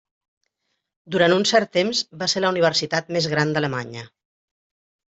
Durant un cert temps va ser la universitat més gran d'Alemanya.